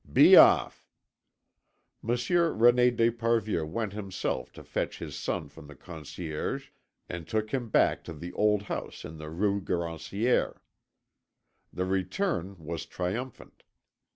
Be off!" Monsieur René d'Esparvieu went himself to fetch his son from the Conciergerie and took him back to the old house in the Rue Garancière. The return was triumphant.